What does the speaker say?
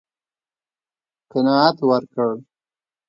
قناعت ورکړ.